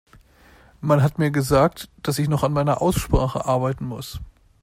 Man hat mir gesagt, dass ich noch an meiner Aussprache arbeiten muss.